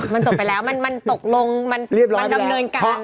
มันจบไปแล้วมันตกลงมันดำเนินการ